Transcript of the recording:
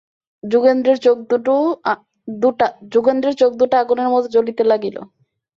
যোগেন্দ্রের চোখদুটা আগুনের মতো জ্বলিতে লাগিল।